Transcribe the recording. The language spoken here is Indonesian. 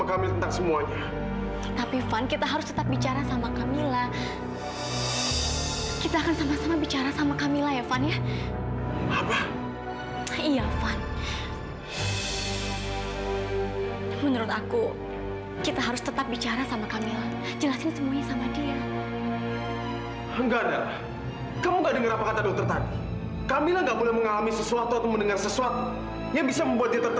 kamu juga harus mengakui semuanya